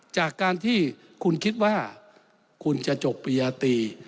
จากการที่คุณคิดว่าคุณจะจบปริญญาตรี